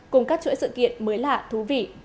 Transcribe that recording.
cùng các chuỗi sự kiện mới lạ thú vị